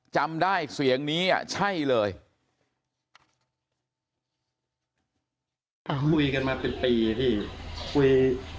จำได้เสียงนี้อ่ะใช่เลย